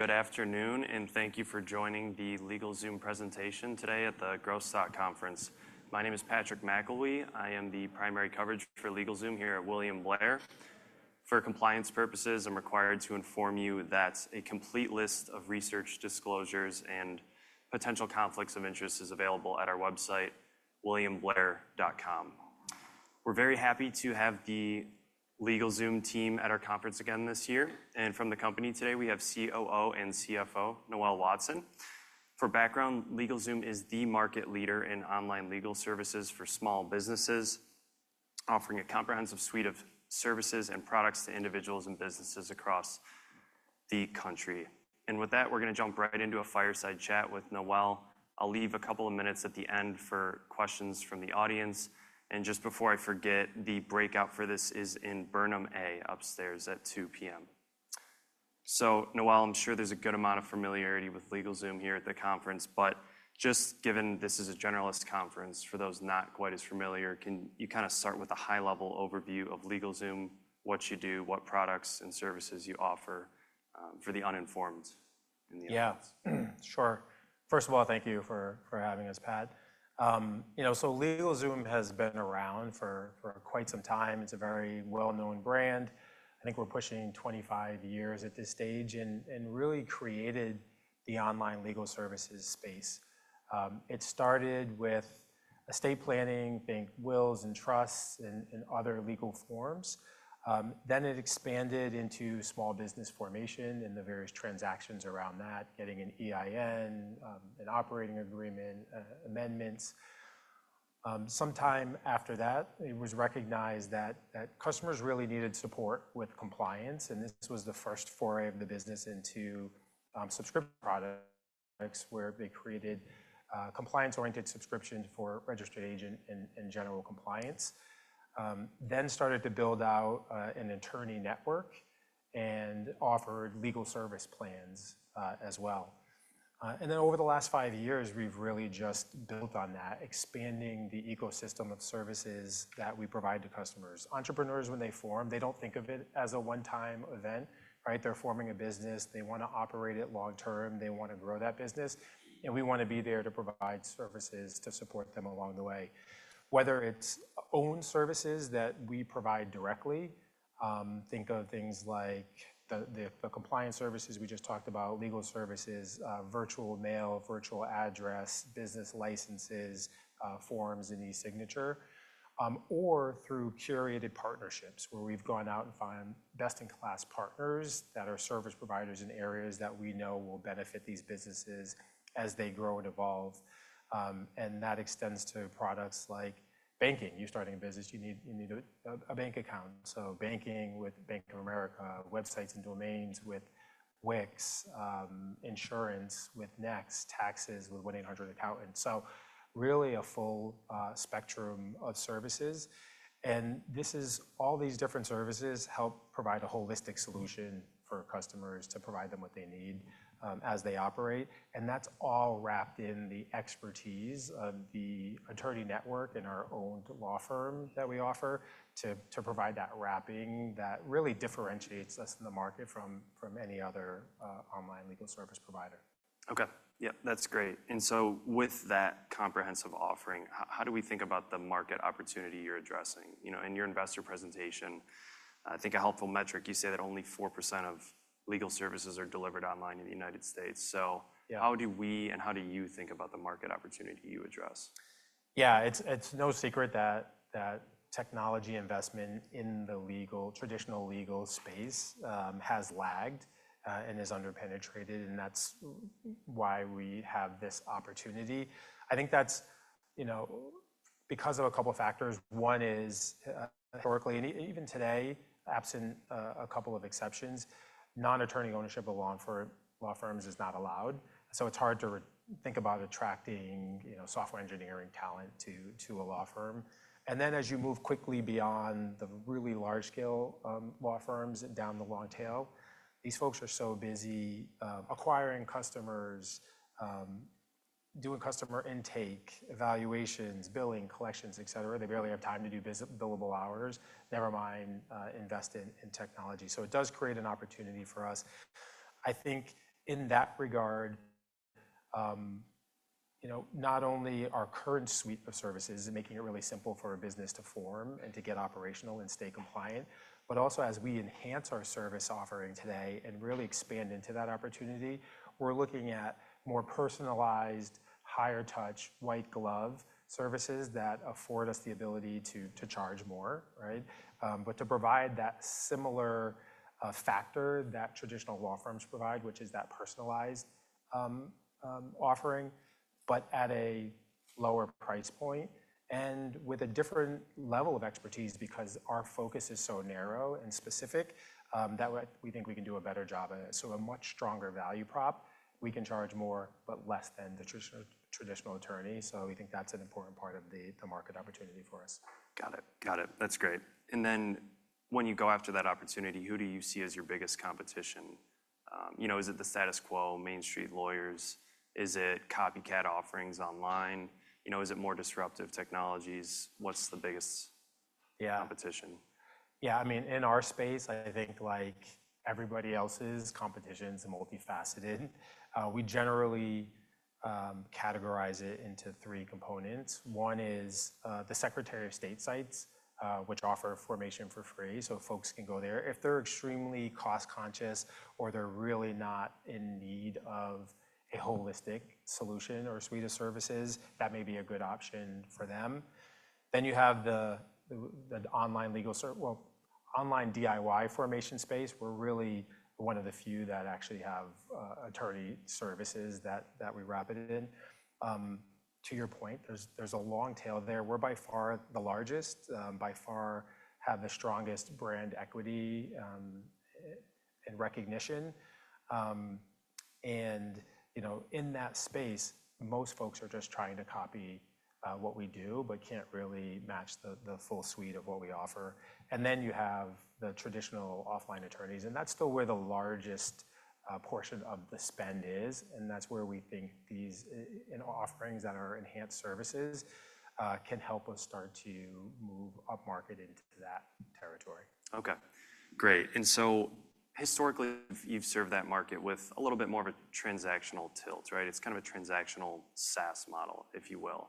Good afternoon, and thank you for joining the LegalZoom presentation today at the Growth Stock Conference. My name is Patrick McIlwee. I am the primary coverage for LegalZoom here at William Blair. For compliance purposes, I'm required to inform you that a complete list of research disclosures and potential conflicts of interest is available at our website, williamblair.com. We're very happy to have the LegalZoom team at our conference again this year. From the company today, we have COO and CFO Noel Watson. For background, LegalZoom is the market leader in online legal services for small businesses, offering a comprehensive suite of services and products to individuals and businesses across the country. With that, we're going to jump right into a fireside chat with Noel. I'll leave a couple of minutes at the end for questions from the audience. Just before I forget, the breakout for this is in Burnham A upstairs at 2:00 P.M. Noel, I'm sure there's a good amount of familiarity with LegalZoom here at the conference. But just given this is a generalist conference, for those not quite as familiar, can you kind of start with a high-level overview of LegalZoom, what you do, what products and services you offer for the uninformed in the audience? Yeah, sure. First of all, thank you for having us, Pat. LegalZoom has been around for quite some time. It's a very well-known brand. I think we're pushing 25 years at this stage and really created the online legal services space. It started with estate planning, bank wills and trusts, and other legal forms. It expanded into small business formation and the various transactions around that, getting an EIN, an operating agreement, amendments. Sometime after that, it was recognized that customers really needed support with compliance. This was the first foray of the business into subscription products, where they created compliance-oriented subscriptions for registered agents and general compliance. They started to build out an attorney network and offered legal service plans as well. Over the last five years, we've really just built on that, expanding the ecosystem of services that we provide to customers. Entrepreneurs, when they form, they do not think of it as a one-time event. They are forming a business. They want to operate it long-term. They want to grow that business. We want to be there to provide services to support them along the way. Whether it is owned services that we provide directly, think of things like the compliance services we just talked about, legal services, virtual mail, virtual address, business licenses, forms, and e-signature, or through curated partnerships, where we have gone out and found best-in-class partners that are service providers in areas that we know will benefit these businesses as they grow and evolve. That extends to products like banking. You are starting a business. You need a bank account. Banking with Bank of America, websites and domains with Wix, insurance with NEXT, taxes with 1800Accountant. Really a full spectrum of services. All these different services help provide a holistic solution for customers to provide them what they need as they operate. That is all wrapped in the expertise of the attorney network and our owned law firm that we offer to provide that wrapping that really differentiates us in the market from any other online legal service provider. OK, yeah, that's great. With that comprehensive offering, how do we think about the market opportunity you're addressing? In your investor presentation, I think a helpful metric, you say that only 4% of legal services are delivered online in the U.S. How do we and how do you think about the market opportunity you address? Yeah, it's no secret that technology investment in the traditional legal space has lagged and is underpenetrated. That is why we have this opportunity. I think that's because of a couple of factors. One is, historically, and even today, absent a couple of exceptions, non-attorney ownership of law firms is not allowed. It's hard to think about attracting software engineering talent to a law firm. As you move quickly beyond the really large-scale law firms and down the long tail, these folks are so busy acquiring customers, doing customer intake, evaluations, billing, collections, et cetera. They barely have time to do billable hours, never mind invest in technology. It does create an opportunity for us. I think in that regard, not only our current suite of services is making it really simple for a business to form and to get operational and stay compliant, but also as we enhance our service offering today and really expand into that opportunity, we're looking at more personalized, higher-touch, white-glove services that afford us the ability to charge more, but to provide that similar factor that traditional law firms provide, which is that personalized offering, but at a lower price point and with a different level of expertise because our focus is so narrow and specific that we think we can do a better job at it. A much stronger value prop. We can charge more, but less than the traditional attorney. We think that's an important part of the market opportunity for us. Got it. Got it. That's great. When you go after that opportunity, who do you see as your biggest competition? Is it the status quo, Main Street lawyers? Is it copycat offerings online? Is it more disruptive technologies? What's the biggest competition? Yeah, I mean, in our space, I think like everybody else's, competition's multifaceted. We generally categorize it into three components. One is the Secretary of State sites, which offer formation for free, so folks can go there. If they're extremely cost-conscious or they're really not in need of a holistic solution or suite of services, that may be a good option for them. Then you have the online DIY formation space. We're really one of the few that actually have attorney services that we wrap it in. To your point, there's a long tail there. We're by far the largest, by far have the strongest brand equity and recognition. In that space, most folks are just trying to copy what we do, but can't really match the full suite of what we offer. Then you have the traditional offline attorneys. That is still where the largest portion of the spend is. That is where we think these offerings that are enhanced services can help us start to move upmarket into that territory. OK, great. Historically, you've served that market with a little bit more of a transactional tilt. It's kind of a transactional SaaS model, if you will.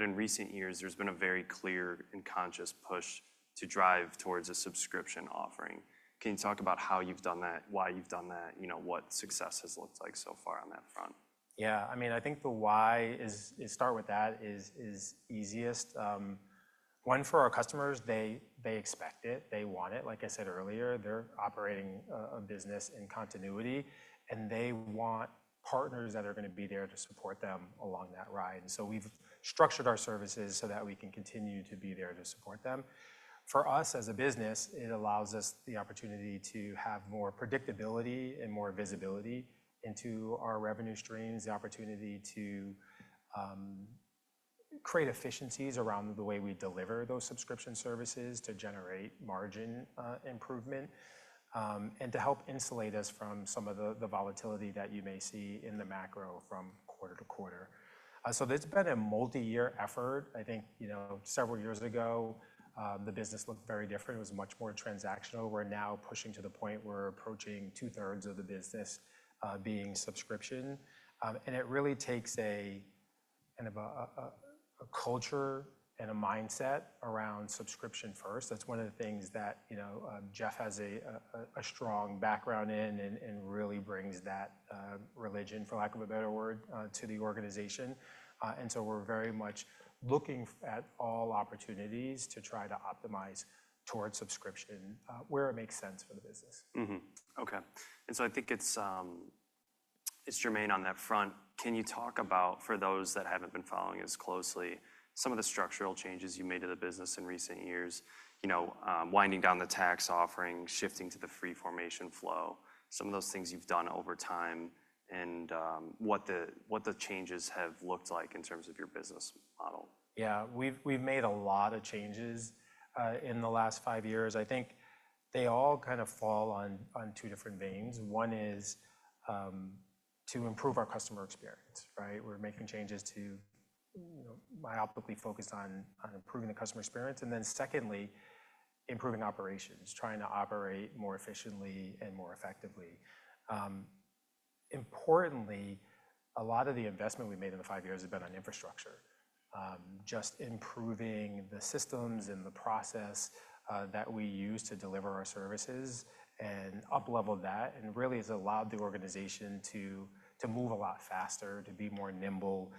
In recent years, there's been a very clear and conscious push to drive towards a subscription offering. Can you talk about how you've done that, why you've done that, what success has looked like so far on that front? Yeah, I mean, I think the why is start with that is easiest. One, for our customers, they expect it. They want it. Like I said earlier, they're operating a business in continuity. They want partners that are going to be there to support them along that ride. We have structured our services so that we can continue to be there to support them. For us as a business, it allows us the opportunity to have more predictability and more visibility into our revenue streams, the opportunity to create efficiencies around the way we deliver those subscription services to generate margin improvement, and to help insulate us from some of the volatility that you may see in the macro from quarter to quarter. It's been a multi-year effort. I think several years ago, the business looked very different. It was much more transactional. We're now pushing to the point where we're approaching two-thirds of the business being subscription. It really takes a culture and a mindset around subscription first. That's one of the things that Jeff has a strong background in and really brings that religion, for lack of a better word, to the organization. We're very much looking at all opportunities to try to optimize towards subscription where it makes sense for the business. OK. I think it's germane on that front. Can you talk about, for those that haven't been following as closely, some of the structural changes you've made to the business in recent years, winding down the tax offering, shifting to the free formation flow, some of those things you've done over time, and what the changes have looked like in terms of your business model? Yeah, we've made a lot of changes in the last five years. I think they all kind of fall on two different veins. One is to improve our customer experience. We're making changes to be optically focused on improving the customer experience. Then secondly, improving operations, trying to operate more efficiently and more effectively. Importantly, a lot of the investment we've made in the five years has been on infrastructure, just improving the systems and the process that we use to deliver our services and up-level that. It has allowed the organization to move a lot faster, to be more nimble,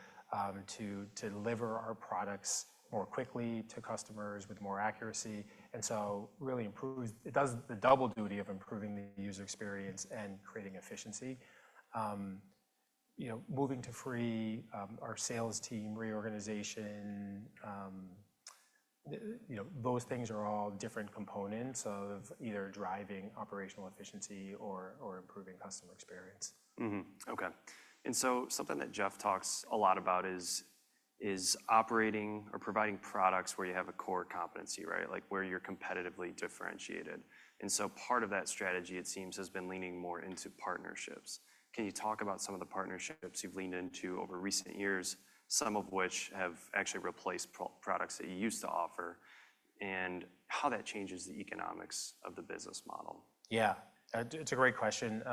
to deliver our products more quickly to customers with more accuracy. It really improves, it does the double duty of improving the user experience and creating efficiency. Moving to free, our sales team reorganization, those things are all different components of either driving operational efficiency or improving customer experience. OK. Something that Jeff talks a lot about is operating or providing products where you have a core competency, where you're competitively differentiated. Part of that strategy, it seems, has been leaning more into partnerships. Can you talk about some of the partnerships you've leaned into over recent years, some of which have actually replaced products that you used to offer, and how that changes the economics of the business model? Yeah, it's a great question.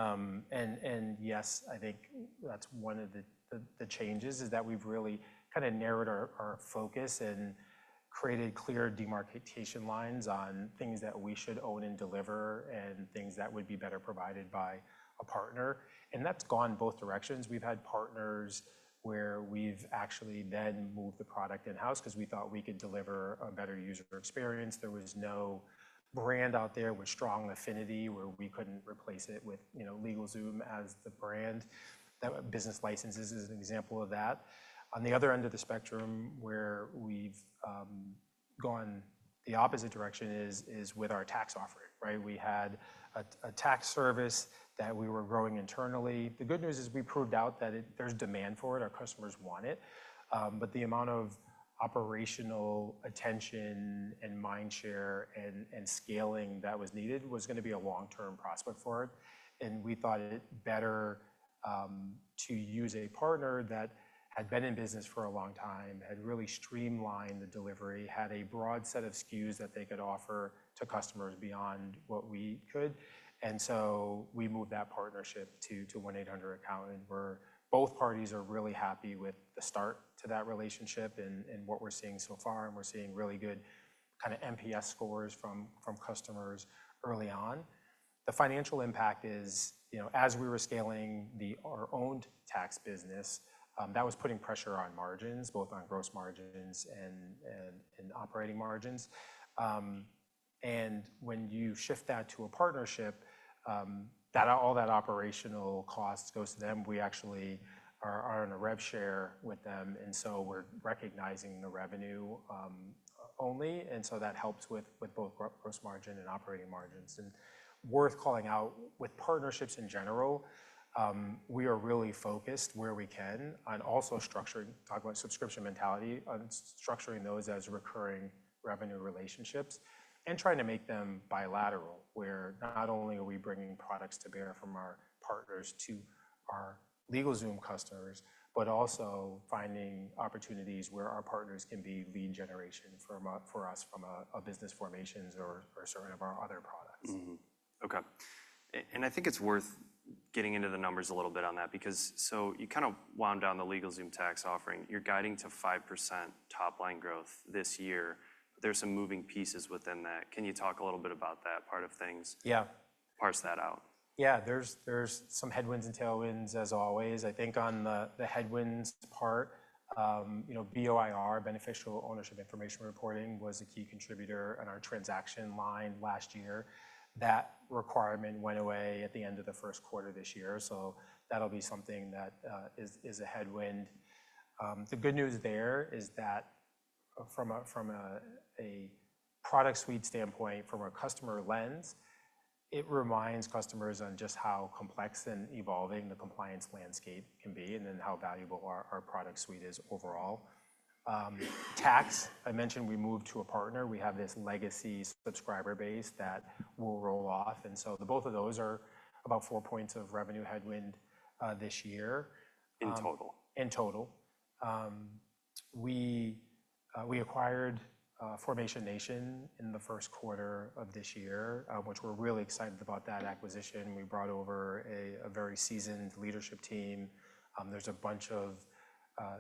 Yes, I think that's one of the changes is that we've really kind of narrowed our focus and created clear demarcation lines on things that we should own and deliver and things that would be better provided by a partner. That's gone both directions. We've had partners where we've actually then moved the product in-house because we thought we could deliver a better user experience. There was no brand out there with strong affinity where we couldn't replace it with LegalZoom as the brand. Business Licenses is an example of that. On the other end of the spectrum, where we've gone the opposite direction is with our tax offering. We had a tax service that we were growing internally. The good news is we proved out that there's demand for it. Our customers want it. The amount of operational attention and mind share and scaling that was needed was going to be a long-term prospect for it. We thought it better to use a partner that had been in business for a long time, had really streamlined the delivery, had a broad set of SKUs that they could offer to customers beyond what we could. We moved that partnership to 1800Accountant. Both parties are really happy with the start to that relationship and what we're seeing so far. We're seeing really good kind of NPS scores from customers early on. The financial impact is, as we were scaling our owned tax business, that was putting pressure on margins, both on gross margins and operating margins. When you shift that to a partnership, all that operational cost goes to them. We actually are on a rev share with them. We're recognizing the revenue only. That helps with both gross margin and operating margins. Worth calling out, with partnerships in general, we are really focused where we can on also structuring, talking about subscription mentality, on structuring those as recurring revenue relationships and trying to make them bilateral, where not only are we bringing products to bear from our partners to our LegalZoom customers, but also finding opportunities where our partners can be lead generation for us from a business formations or certain of our other products. OK. I think it's worth getting into the numbers a little bit on that because you kind of wound down the LegalZoom tax offering. You're guiding to 5% top line growth this year. There's some moving pieces within that. Can you talk a little bit about that part of things, parse that out? Yeah, there's some headwinds and tailwinds as always. I think on the headwinds part, BOIR, Beneficial Ownership Information Reporting, was a key contributor on our transaction line last year. That requirement went away at the end of the first quarter this year. That'll be something that is a headwind. The good news there is that from a product suite standpoint, from a customer lens, it reminds customers on just how complex and evolving the compliance landscape can be and then how valuable our product suite is overall. Tax, I mentioned we moved to a partner. We have this legacy subscriber base that will roll off. Both of those are about four points of revenue headwind this year. In total. In total. We acquired Formation Nation in the first quarter of this year, which we're really excited about that acquisition. We brought over a very seasoned leadership team. There's a bunch of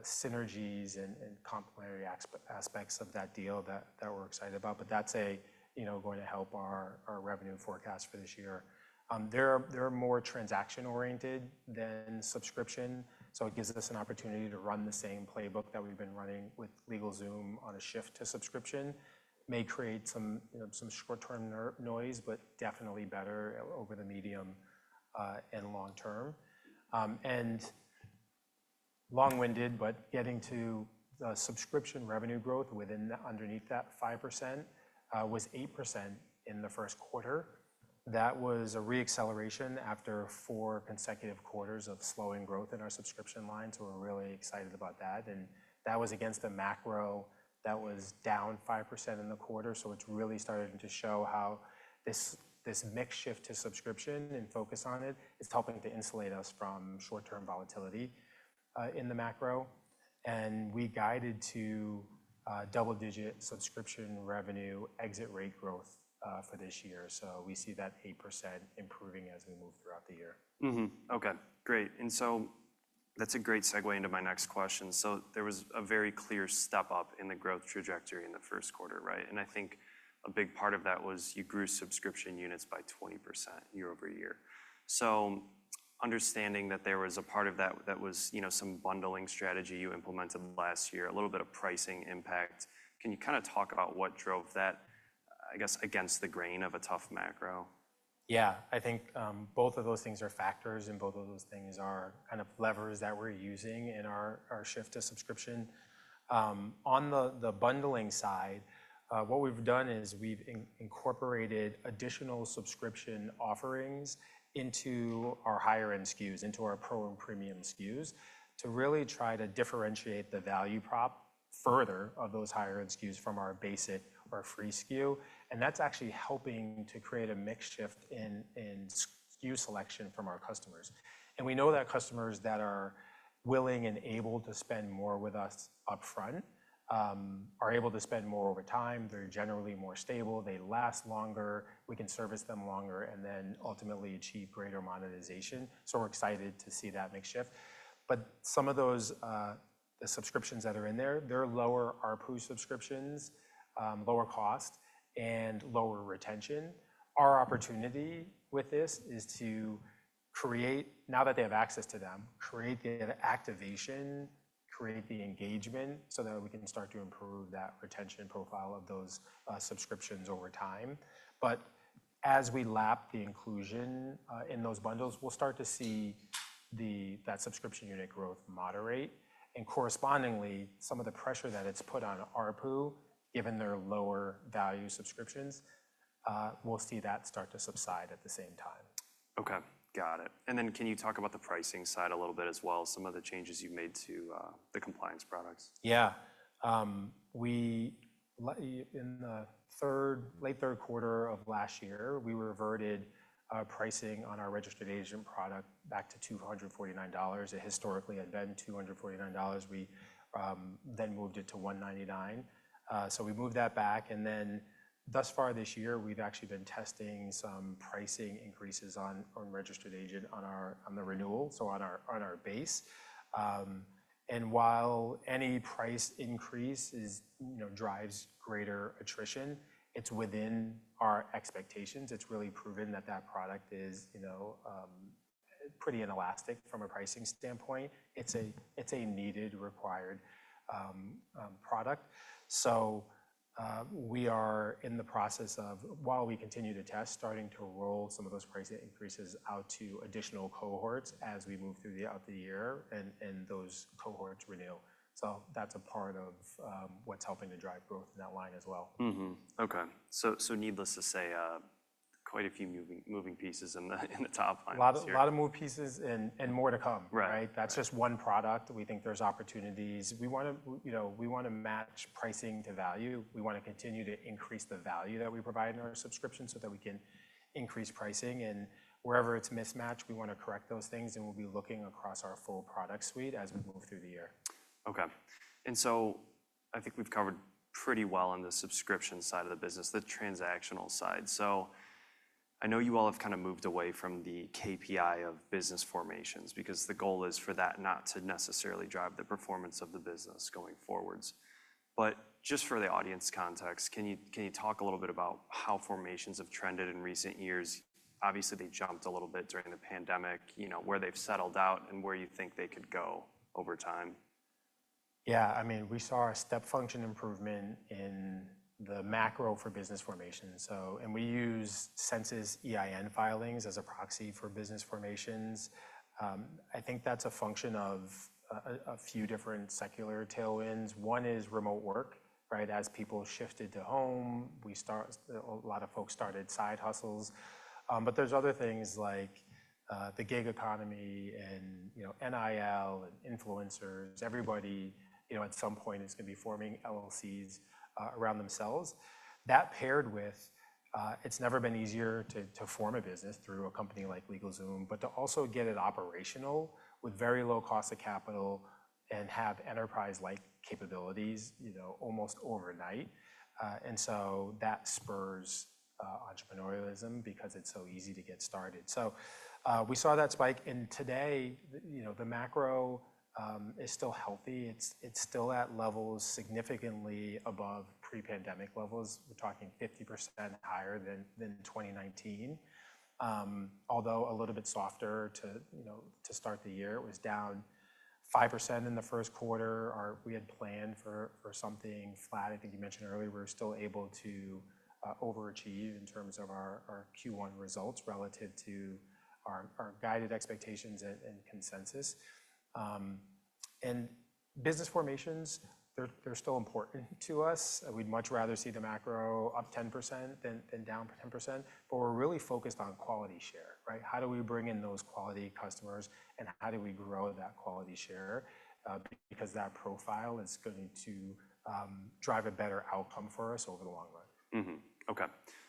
synergies and complementary aspects of that deal that we're excited about. That is going to help our revenue forecast for this year. They're more transaction-oriented than subscription. It gives us an opportunity to run the same playbook that we've been running with LegalZoom on a shift to subscription. It may create some short-term noise, definitely better over the medium and long term. Long-winded, but getting to subscription revenue growth within underneath that 5% was 8% in the first quarter. That was a re-acceleration after four consecutive quarters of slowing growth in our subscription line. We're really excited about that. That was against the macro that was down 5% in the quarter. It's really started to show how this mix shift to subscription and focus on it is helping to insulate us from short-term volatility in the macro. We guided to double-digit subscription revenue exit rate growth for this year. We see that 8% improving as we move throughout the year. OK, great. That's a great segue into my next question. There was a very clear step up in the growth trajectory in the first quarter. I think a big part of that was you grew subscription units by 20% year over year. Understanding that there was a part of that that was some bundling strategy you implemented last year, a little bit of pricing impact, can you kind of talk about what drove that, I guess, against the grain of a tough macro? Yeah, I think both of those things are factors. Both of those things are kind of levers that we're using in our shift to subscription. On the bundling side, what we've done is we've incorporated additional subscription offerings into our higher-end SKUs, into our pro and premium SKUs, to really try to differentiate the value prop further of those higher-end SKUs from our basic or free SKU. That's actually helping to create a mix shift in SKU selection from our customers. We know that customers that are willing and able to spend more with us upfront are able to spend more over time. They're generally more stable. They last longer. We can service them longer and then ultimately achieve greater monetization. We're excited to see that mix shift. Some of those subscriptions that are in there, they're lower RPU subscriptions, lower cost, and lower retention. Our opportunity with this is to create, now that they have access to them, create the activation, create the engagement so that we can start to improve that retention profile of those subscriptions over time. As we lap the inclusion in those bundles, we'll start to see that subscription unit growth moderate. Correspondingly, some of the pressure that it's put on RPU, given their lower value subscriptions, we'll see that start to subside at the same time. OK, got it. Can you talk about the pricing side a little bit as well, some of the changes you've made to the compliance products? Yeah. In the late third quarter of last year, we reverted pricing on our registered agent product back to $249. It historically had been $249. We then moved it to $199. We moved that back. Thus far this year, we've actually been testing some pricing increases on registered agent on the renewal, on our base. While any price increase drives greater attrition, it's within our expectations. It's really proven that that product is pretty inelastic from a pricing standpoint. It's a needed, required product. We are in the process of, while we continue to test, starting to roll some of those pricing increases out to additional cohorts as we move through the year and those cohorts renew. That's a part of what's helping to drive growth in that line as well. OK. Needless to say, quite a few moving pieces in the top line. A lot of moving pieces and more to come. That is just one product. We think there are opportunities. We want to match pricing to value. We want to continue to increase the value that we provide in our subscription so that we can increase pricing. Wherever it is mismatch, we want to correct those things. We will be looking across our full product suite as we move through the year. OK. I think we've covered pretty well on the subscription side of the business, the transactional side. I know you all have kind of moved away from the KPI of business formations because the goal is for that not to necessarily drive the performance of the business going forwards. Just for the audience context, can you talk a little bit about how formations have trended in recent years? Obviously, they jumped a little bit during the pandemic, where they've settled out and where you think they could go over time. Yeah, I mean, we saw a step function improvement in the macro for business formations. And we use Census EIN filings as a proxy for business formations. I think that's a function of a few different secular tailwinds. One is remote work. As people shifted to home, a lot of folks started side hustles. But there's other things like the gig economy and NIL and influencers. Everybody at some point is going to be forming LLCs around themselves. That paired with it's never been easier to form a business through a company like LegalZoom, but to also get it operational with very low cost of capital and have enterprise-like capabilities almost overnight. And so that spurs entrepreneurialism because it's so easy to get started. So we saw that spike. And today, the macro is still healthy. It's still at levels significantly above pre-pandemic levels. We're talking 50% higher than 2019, although a little bit softer to start the year. It was down 5% in the first quarter. We had planned for something flat. I think you mentioned earlier we were still able to overachieve in terms of our Q1 results relative to our guided expectations and consensus. Business formations, they're still important to us. We'd much rather see the macro up 10% than down 10%. We're really focused on quality share. How do we bring in those quality customers? How do we grow that quality share? That profile is going to drive a better outcome for us over the long run. OK.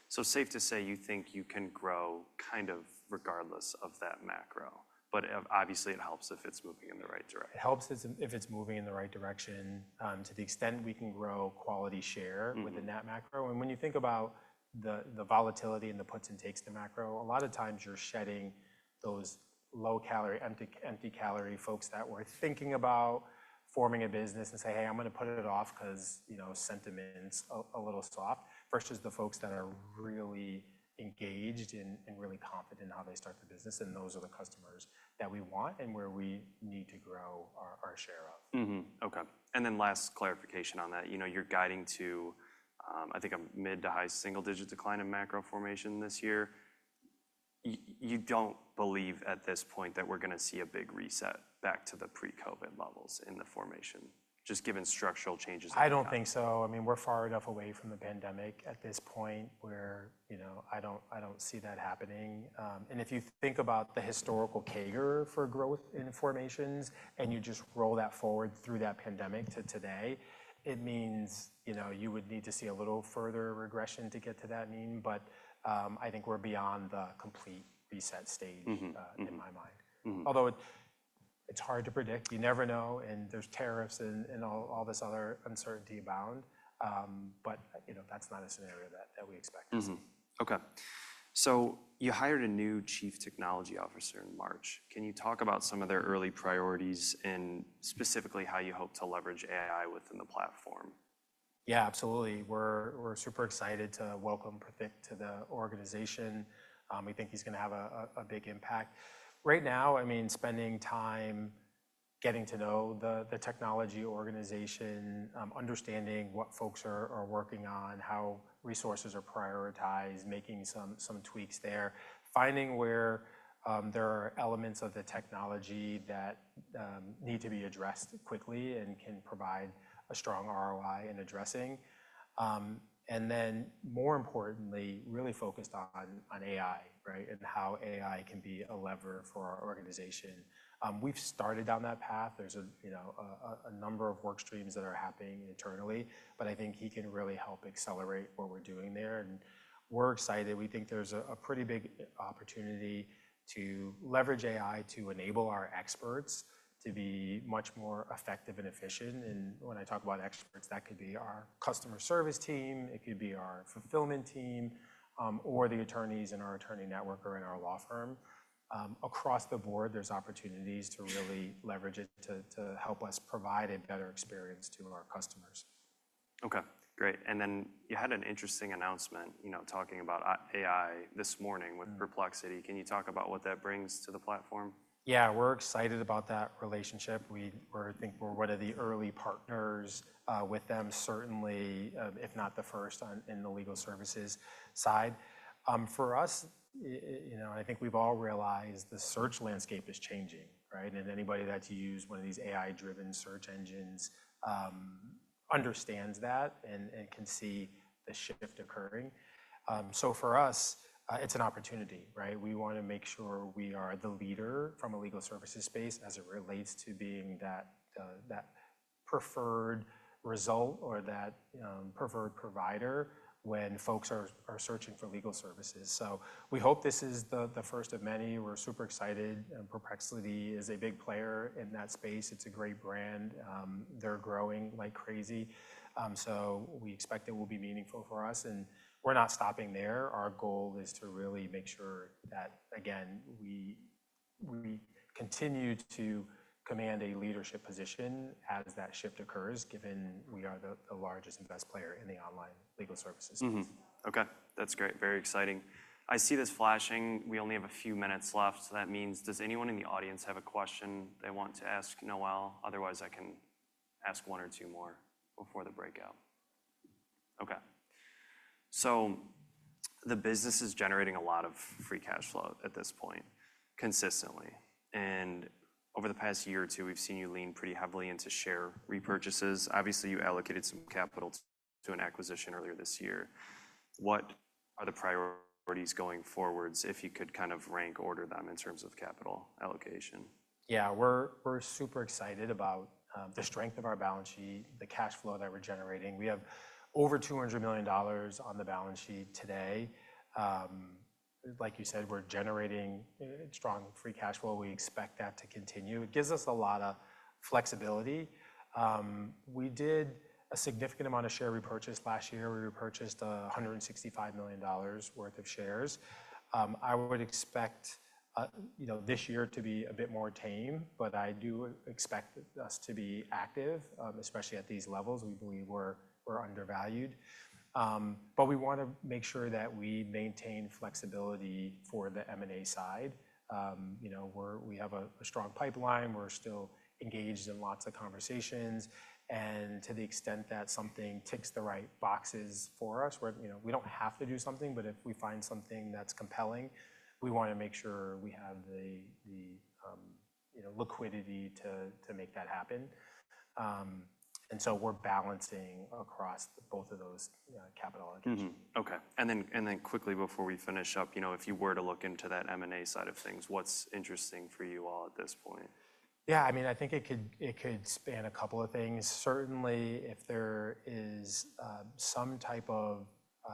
So safe to say you think you can grow kind of regardless of that macro? But obviously, it helps if it's moving in the right direction. It helps if it's moving in the right direction to the extent we can grow quality share within that macro. When you think about the volatility and the puts and takes to macro, a lot of times you're shedding those low-calorie, empty-calorie folks that were thinking about forming a business and say, hey, I'm going to put it off because sentiment's a little soft, versus the folks that are really engaged and really confident in how they start the business. Those are the customers that we want and where we need to grow our share of. OK. Last clarification on that. You're guiding to, I think, a mid to high single-digit decline in macro formation this year. You don't believe at this point that we're going to see a big reset back to the pre-COVID levels in the formation, just given structural changes? I don't think so. I mean, we're far enough away from the pandemic at this point where I don't see that happening. If you think about the historical CAGR for growth in formations and you just roll that forward through that pandemic to today, it means you would need to see a little further regression to get to that mean. I think we're beyond the complete reset stage in my mind. Although it's hard to predict. You never know. There's tariffs and all this other uncertainty abound. That's not a scenario that we expect. OK. So you hired a new Chief Technology Officer in March. Can you talk about some of their early priorities and specifically how you hope to leverage AI within the platform? Yeah, absolutely. We're super excited to welcome Perfect to the organization. We think he's going to have a big impact. Right now, I mean, spending time getting to know the technology organization, understanding what folks are working on, how resources are prioritized, making some tweaks there, finding where there are elements of the technology that need to be addressed quickly and can provide a strong ROI in addressing. More importantly, really focused on AI and how AI can be a lever for our organization. We've started down that path. There's a number of work streams that are happening internally. I think he can really help accelerate what we're doing there. We're excited. We think there's a pretty big opportunity to leverage AI to enable our experts to be much more effective and efficient. When I talk about experts, that could be our customer service team. It could be our fulfillment team or the attorneys in our attorney network or in our law firm. Across the board, there's opportunities to really leverage it to help us provide a better experience to our customers. OK, great. You had an interesting announcement talking about AI this morning with Perplexity. Can you talk about what that brings to the platform? Yeah, we're excited about that relationship. We think we're one of the early partners with them, certainly, if not the first in the legal services side. For us, I think we've all realized the search landscape is changing. And anybody that's used one of these AI-driven search engines understands that and can see the shift occurring. For us, it's an opportunity. We want to make sure we are the leader from a legal services space as it relates to being that preferred result or that preferred provider when folks are searching for legal services. We hope this is the first of many. We're super excited. Perplexity is a big player in that space. It's a great brand. They're growing like crazy. We expect it will be meaningful for us. We're not stopping there. Our goal is to really make sure that, again, we continue to command a leadership position as that shift occurs, given we are the largest and best player in the online legal services. OK, that's great. Very exciting. I see this flashing. We only have a few minutes left. That means does anyone in the audience have a question they want to ask Noel? Otherwise, I can ask one or two more before the breakout. OK. The business is generating a lot of free cash flow at this point consistently. Over the past year or two, we've seen you lean pretty heavily into share repurchases. Obviously, you allocated some capital to an acquisition earlier this year. What are the priorities going forwards, if you could kind of rank order them in terms of capital allocation? Yeah, we're super excited about the strength of our balance sheet, the cash flow that we're generating. We have over $200 million on the balance sheet today. Like you said, we're generating strong free cash flow. We expect that to continue. It gives us a lot of flexibility. We did a significant amount of share repurchase last year. We repurchased $165 million worth of shares. I would expect this year to be a bit more tame. I do expect us to be active, especially at these levels. We believe we're undervalued. We want to make sure that we maintain flexibility for the M&A side. We have a strong pipeline. We're still engaged in lots of conversations. To the extent that something ticks the right boxes for us, we don't have to do something. If we find something that's compelling, we want to make sure we have the liquidity to make that happen. We're balancing across both of those capital allocations. OK. Quickly, before we finish up, if you were to look into that M&A side of things, what's interesting for you all at this point? Yeah, I mean, I think it could span a couple of things. Certainly, if there is some type of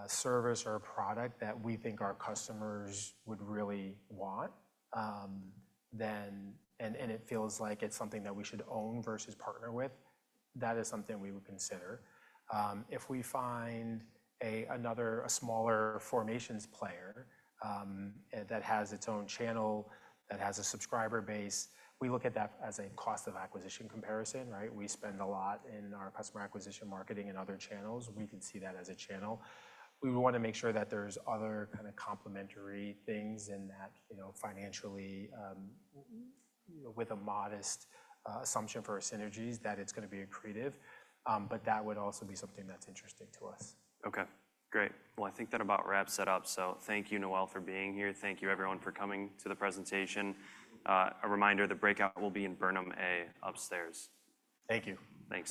service or a product that we think our customers would really want, and it feels like it's something that we should own versus partner with, that is something we would consider. If we find another smaller formations player that has its own channel, that has a subscriber base, we look at that as a cost of acquisition comparison. We spend a lot in our customer acquisition marketing and other channels. We can see that as a channel. We want to make sure that there's other kind of complementary things and that financially, with a modest assumption for our synergies, that it's going to be accretive. That would also be something that's interesting to us. OK, great. I think that about wraps it up. Thank you, Noel, for being here. Thank you, everyone, for coming to the presentation. A reminder, the breakout will be in Burnham A upstairs. Thank you. Thanks.